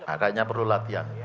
akannya perlu latihan